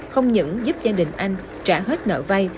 không những giúp gia đình anh trả hết nợ vay